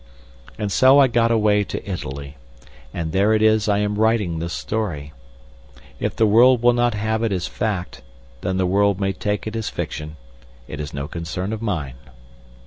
And so I got away to Italy, and there it is I am writing this story. If the world will not have it as fact, then the world may take it as fiction. It is no concern of mine.